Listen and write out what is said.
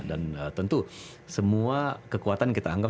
dan tentu semua kekuatan kita anggap